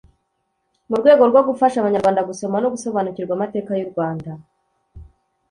Mu rwego rwo gufasha Abanyarwanda gusoma no gusobanukirwa Amateka y’u Rwanda,